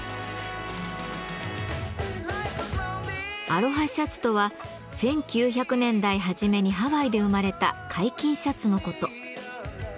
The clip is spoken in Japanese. アロハシャツとは１９００年代はじめにハワイで生まれた開襟シャツのこと。